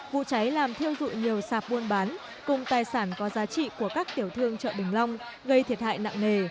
vụ cháy làm thiêu dụi nhiều sạp buôn bán cùng tài sản có giá trị của các tiểu thương chợ bình long gây thiệt hại nặng nề